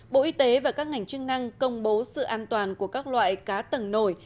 bộ y tế và các ngành chức năng công bố sự an toàn của các loại cá tầng nổi